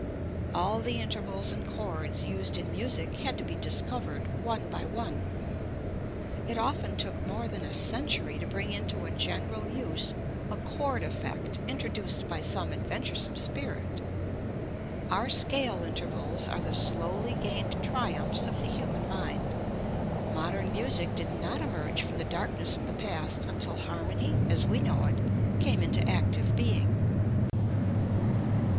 All the intervals and chords used in music had to be discovered, one by one. It often took more than a century to bring into a general use a chord effect introduced by some adventuresome spirit. Our scale intervals are the slowly gained triumphs of the human mind. Modern music did not emerge from the darkness of the past until harmony, as we know it, came into active being.